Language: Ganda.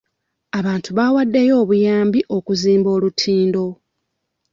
Abantu baawaddeyo obuyambi okuzimba olutindo.